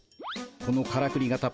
このからくりがた